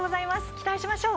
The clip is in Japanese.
期待しましょう。